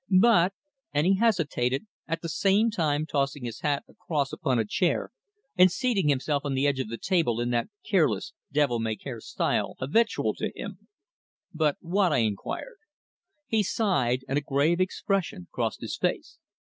But " and he hesitated, at the same time tossing his hat across upon a chair, and seating himself on the edge of the table in that careless, devil may care style habitual to him. "But what?" I inquired. He sighed, and a grave expression crossed his face.